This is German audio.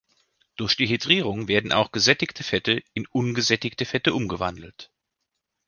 Durch Dehydrierung werden auch gesättigte Fette in ungesättigte Fette umgewandelt.